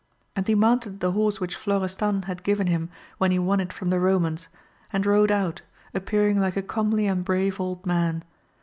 And he mounted the horse which Florestan had given him when he won it from the Romans, and rode out, ap pearing like a comely and brave old man.